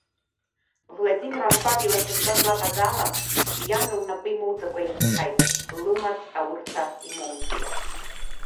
Владимир Анқәаб илахьынҵа злаҟалаз ала, иан лнапы имоуӡакәа изҳаит, лымаҵ аурҭа имоуӡеит.